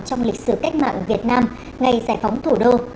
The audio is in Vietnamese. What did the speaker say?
trong lịch sử cách mạng việt nam ngày giải phóng thủ đô